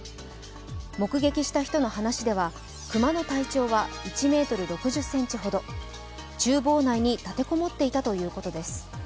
目撃した人の話では、熊の体長は１ｍ６０ｃｍほどちゅう房内に立て籠もっていたということです。